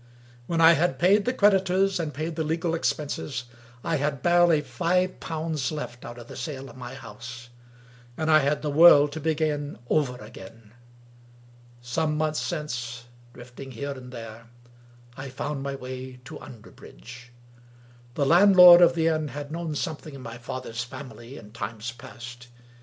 When I had paid the creditors and paid the legal expenses, I had barely five pounds left out of the sale of my house; and I had the world to begin over again. Some months since — drifting here and there — I found my way to Underbridge. The landlord of the inn had known something of my father's family in times past.